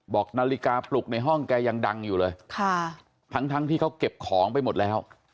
บอกนาฬิกาปลุกในห้องแกยังดังอยู่เลยค่ะทั้งที่เขาเก็บของไปหมดแล้ว